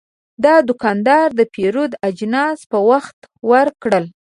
دا دوکاندار د پیرود اجناس په وخت ورکړل.